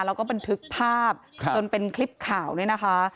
แล้วก็บันทึกภาพจนเป็นคลิปข่าวเนี่ยนะคะ